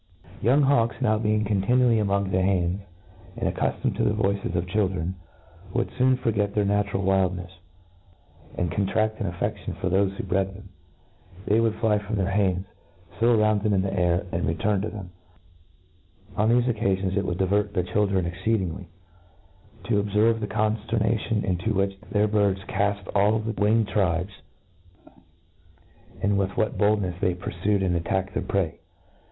.The youing hawks, being now eontihtiaBy a* moag the hands, and accuAomed to the voices of the children, would foon forget their natural wildnefe, and contrafl: an a&ftion for thofe who bred them. They would fly from their hands, . foar around them in the air, and then return to thenu Oa thefe occafions, it would divert the children exceedingly, to obferve the confterna* tion into which then: birds caft all the winged ' tribes, Inttroduction^ 33 tribes, and with what boldnefi they purfiied and ^Sittacked thdr prey.